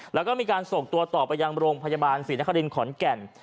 แล้วก็มีการส่งตัวต่อไปยังโรงพยาบาลศรีนครินขอนแก่น